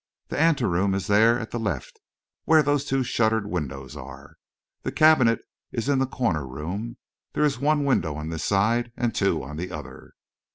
"The ante room is there at the left where those two shuttered windows are. The cabinet is in the corner room there is one window on this side and two on the other."